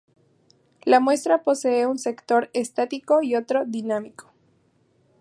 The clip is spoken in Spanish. La muestra posee un sector "estático" y otro "dinámico".